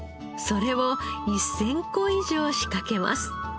それを１０００個以上仕掛けます。